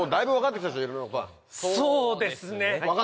そうですね。